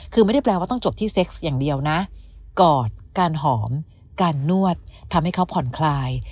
คือไม่ได้แปลว่าต้องจบที่เซ็กซ์อย่างเดียวนะกอดการหอมการนวดทำให้เขาผ่อนคลาย